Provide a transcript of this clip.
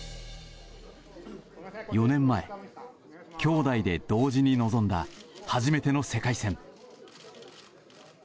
４年前、兄弟で同時に臨んだ初めての世界戦。